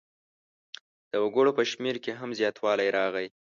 د وګړو په شمېر کې هم زیاتوالی راغی.